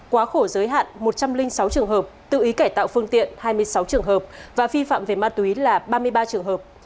quá khổ giới hạn một trăm linh sáu trường hợp tự ý cải tạo phương tiện hai mươi sáu trường hợp và phi phạm về ma túy là ba mươi ba trường hợp